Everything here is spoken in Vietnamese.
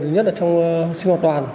thứ nhất là trong sinh hoạt đoàn